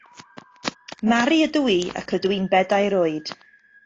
Mari ydw i ac rydw i'n bedair oed